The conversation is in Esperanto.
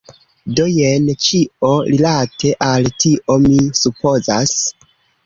Do, jen ĉio, rilate al tio. Mi supozas.